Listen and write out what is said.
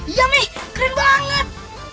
iya me keren banget